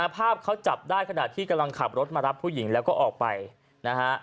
ภาพเขาจับได้ขณะที่กำลังขับรถมารับผู้หญิงแล้วก็ออกไปนะฮะ